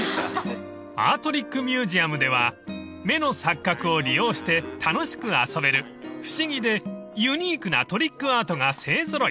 ［アートリックミュージアムでは目の錯覚を利用して楽しく遊べる不思議でユニークなトリックアートが勢揃い］